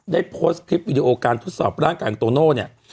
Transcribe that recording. ได้โพสต์คลิปวิดีโอการทดสอบร่างกายของโตโน่เนี่ย